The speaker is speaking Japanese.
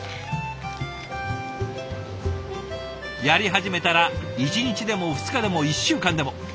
やり始めたら１日でも２日でも１週間でも。